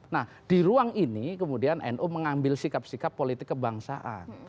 nah di ruang ini kemudian nu mengambil sikap sikap politik kebangsaan